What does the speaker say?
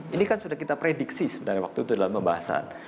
ini kan sudah kita prediksi sebenarnya waktu itu dalam pembahasan